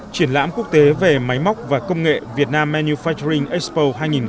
triển lãm quốc tế về máy móc và công nghệ việt nam manufacturing expo hai nghìn một mươi tám